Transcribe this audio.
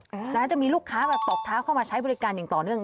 ดังนั้นจะมีลูกค้ามาตบเท้าเข้ามาใช้บริการอย่างต่อเนื่อง